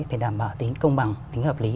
để đảm bảo tính công bằng tính hợp lý